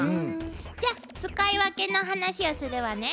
じゃ使い分けの話をするわね。